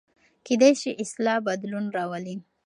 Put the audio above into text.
کېدای سي اصلاح بدلون راولي.